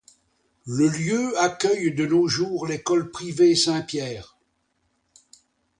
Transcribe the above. Le lieu accueille de nos jours l'école privée Saint-Pierre.